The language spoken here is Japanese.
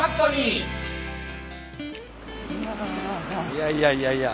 いやいやいやいや。